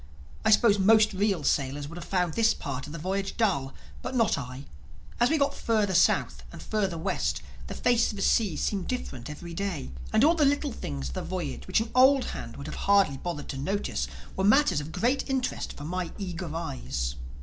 I suppose most real sailors would have found this part of the voyage dull. But not I. As we got further South and further West the face of the sea seemed different every day. And all the little things of a voyage which an old hand would have hardly bothered to notice were matters of great interest for my eager eyes.